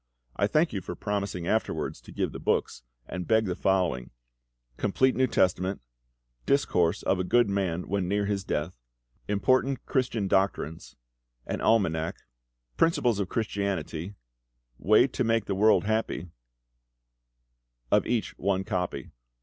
I thank you for promising afterwards to give the books, and beg the following: Complete New Testament, 'Discourse of a Good Man when near his Death,' 'Important Christian Doctrines,' an Almanack, 'Principles of Christianity,' 'Way to make the World happy,' of each one copy.